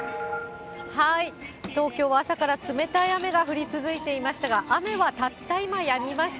東京は朝から冷たい雨が降り続いていましたが、雨はたった今、やみました。